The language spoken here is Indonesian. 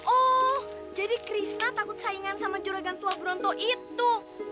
oh jadi krishna takut saingan sama juragan tua bronto itu